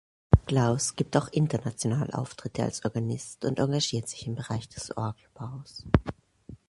Glaus gibt auch international Auftritte als Organist und engagiert sich im Bereich des Orgelbaus.